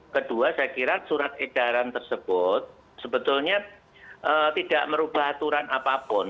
kedua saya kira surat edaran tersebut sebetulnya tidak merubah aturan apapun